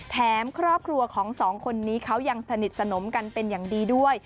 ครอบครัวของสองคนนี้เขายังสนิทสนมกันเป็นอย่างดีด้วย